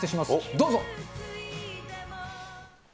どうぞ。